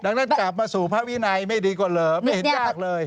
ดังนั้นกลับมาสู่พระวินัยไม่ดีกว่าเหรอไม่เห็นยากเลย